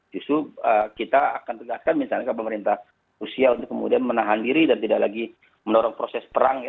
justru kita akan tegaskan misalnya ke pemerintah rusia untuk kemudian menahan diri dan tidak lagi mendorong proses perang